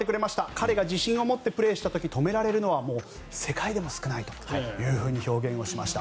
彼が自信を持ってプレーした時止められるのは世界でも少ないと表現しました。